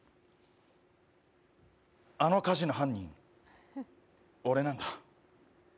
あの火事の犯人、俺なんだ。